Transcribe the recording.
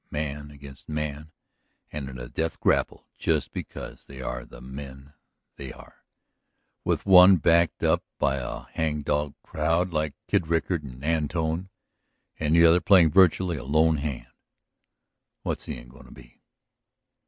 Man against man and in a death grapple just because they are the men they are, with one backed up by a hang dog crowd like Kid Rickard and Antone, and the other playing virtually a lone hand. What's the end going to be?"